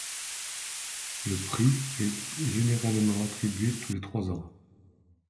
Le prix est généralement attribué tous les trois ans.